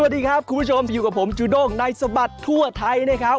สวัสดีครับคุณผู้ชมอยู่กับผมจูด้งในสบัดทั่วไทยนะครับ